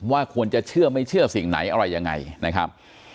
ว่าควรจะเชื่อไม่เชื่อสิ่งไหนอะไรยังไงนะครับ